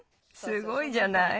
すごいじゃない。